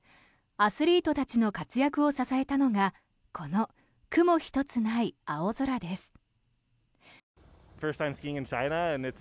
アスリートたちの活躍を支えたのがこの雲一つない青空です。